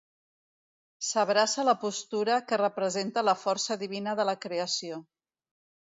S'abraça la postura que representa la força divina de la creació.